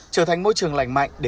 trở thành môi trường lành mạnh